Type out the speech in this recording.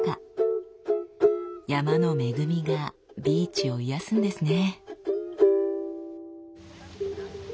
山の恵みがビーチを癒やすんですね。